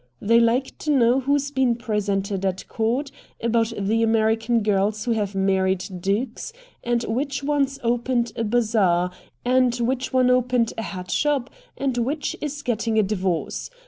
They like to know who's been presented at court, about the American girls who have married dukes; and which ones opened a bazaar, and which one opened a hat shop, and which is getting a divorce.